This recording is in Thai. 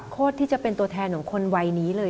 ที่จะเป็นตัวแทนของคนวัยนี้เลย